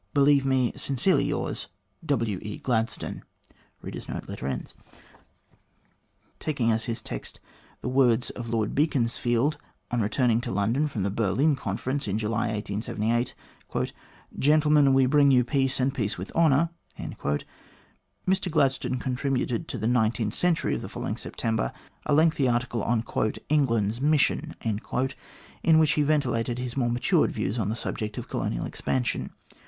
Believe me, sincerely yours, W. E. GLADSTONE. Taking as his text the words of Lord Beaconsfield on returning to London from the Berlin Conference, in July,. 1878: "Gentlemen, we bring you peace, and peace with honour," Mr Gladstone contributed to the Nineteenth Century of the following September, a lengthy article on "England's Mission," in which he ventilated his more matured views on the subject of colonial expansion.